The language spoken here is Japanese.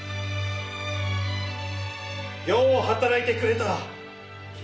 よう働いてくれた。